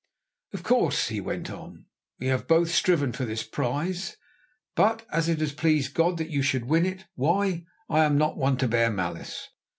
"Of course," he went on, "we have both striven for this prize, but as it has pleased God that you should win it, why, I am not one to bear malice."